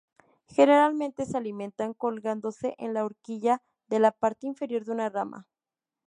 Generalmente se alimentan colgándose en la horquilla de la parte inferior de una rama.